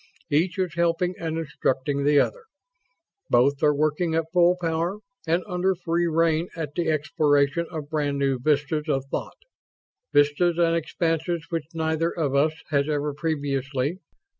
Each is helping and instructing the other. Both are working at full power and under free rein at the exploration of brand new vistas of thought vistas and expanses which neither of us has ever previously